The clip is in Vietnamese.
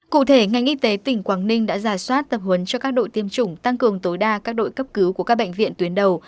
cụ thể ngành y tế tỉnh quảng ninh đã giả soát tập huấn cho các đội tiêm chủng tăng cường tối đa các đội cấp cứu của các bệnh viện tuyến đầu